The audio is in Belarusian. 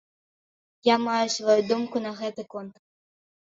Я маю сваю думку на гэты конт.